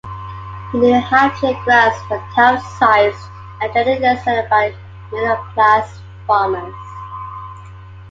The New Hampshire grants were "town-sized," and generally settled by middle-class farmers.